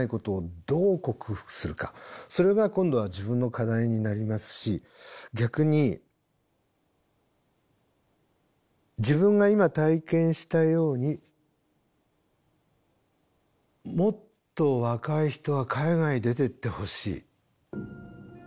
それが今度は自分の課題になりますし逆に自分が今体験したようにもっと若い人は海外出ていってほしい。